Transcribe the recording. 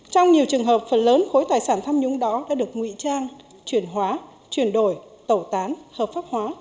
trong nhiều trường hợp phần lớn khối tài sản tham nhũng đó đã được ngụy trang chuyển hóa chuyển đổi tẩu tán hợp pháp hóa